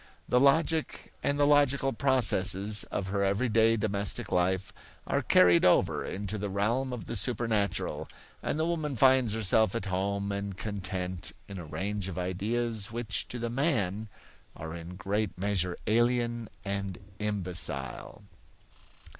The logic, and the logical processes, of her everyday domestic life are carried over into the realm of the supernatural, and the woman finds herself at home and content in a range of ideas which to the man are in great measure alien and imbecile.